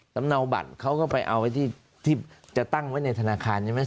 เนาบัตรเขาก็ไปเอาไว้ที่จะตั้งไว้ในธนาคารใช่ไหม